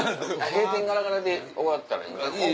「閉店ガラガラ」で終わったら？